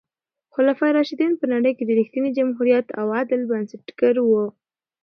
خلفای راشدین په نړۍ کې د رښتیني جمهوریت او عدل بنسټګر وو.